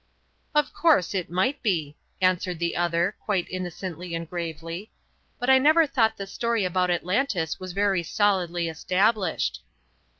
"Of course, it might be," answered the other, quite innocently and gravely; "but I never thought the story about Atlantis was very solidly established."